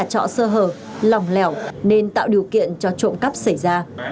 các nhà trọ sơ hở lòng lẻo nên tạo điều kiện cho trộm cắp xảy ra